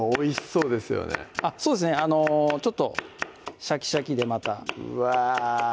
そうですねちょっとシャキシャキでまたうわ